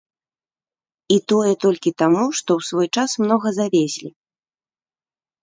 І тое толькі таму, што ў свой час многа завезлі.